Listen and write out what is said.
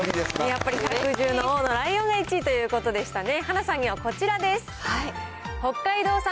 やっぱり百獣の王のライオンが１位ということでしたね。